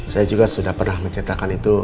saya juga sudah pernah menceritakan itu